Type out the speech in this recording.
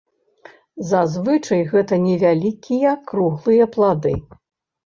Зазвычай гэта невялікія круглыя плады.